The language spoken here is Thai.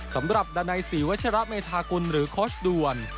สำหรับดันไนสีวัชระเมธากุลหรือคอร์ชดวน